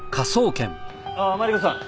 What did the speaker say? あっマリコさん